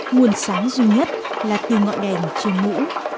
nguồn sáng duy nhất là từ ngọn đèn trên mũ